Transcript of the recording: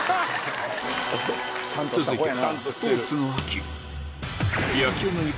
続いてでは